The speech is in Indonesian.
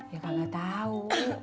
ya pak nggak tahu